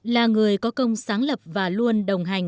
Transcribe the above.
là người có công sáng lập và luôn đồng hành